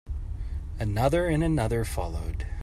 Another and another followed.